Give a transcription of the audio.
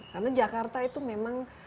karena jakarta itu memang